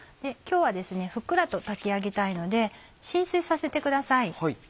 今日はふっくらと炊き上げたいので浸水させてください